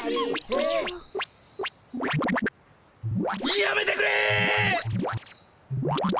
やめてくれ！